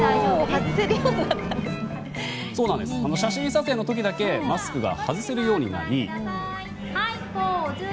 写真撮影の時だけマスクが外せるようになり。